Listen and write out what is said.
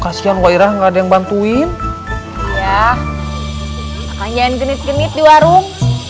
kasihan wira nggak ada yang bantuin ya akan jalan genit genit di warung